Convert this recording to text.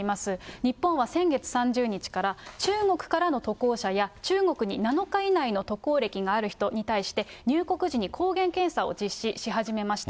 日本は先月３０日から、中国からの渡航者や、中国に７日以内の渡航歴がある人に対して、入国時に抗原検査を実施し始めました。